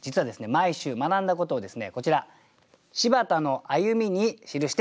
毎週学んだことをこちら「柴田の歩み」に記しております。